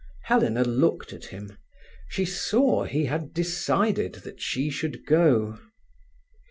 Helena looked at him. She saw he had decided that she should go.